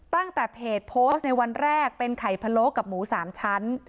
ตั้งแต่เพจโพสต์ในวันแรกเป็นไข่พะโล้กับหมู๓ชั้น